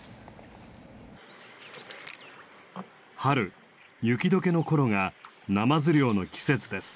春雪解けの頃がナマズ漁の季節です。